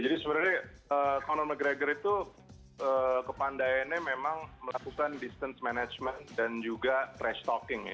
jadi sebenarnya conor mcgregor itu kepandainya memang melakukan distance management dan juga trash talking ya